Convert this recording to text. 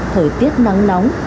thời tiết nắng nóng